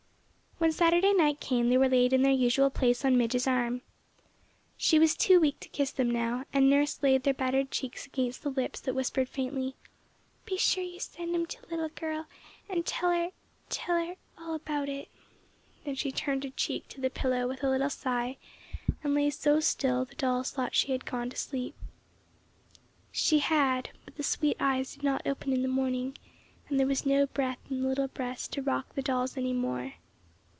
When Saturday night came they were laid in their usual place on Midge's arm. She was too weak to kiss them now, and nurse laid their battered cheeks against the lips that whispered faintly, "Be sure you send 'em to the little girl, and tell her tell her all about it." Then she turned her cheek to the pillow with a little sigh and lay so still the dolls thought she had gone to sleep. She had, but the sweet eyes did not open in the morning, and there was no breath in the little breast to rock the dolls any more.